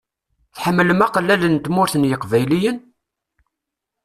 Tḥemmlem aqellal n Tmurt n yeqbayliyen?